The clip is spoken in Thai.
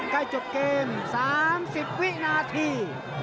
ใกล้จบเกม๓๐วินาที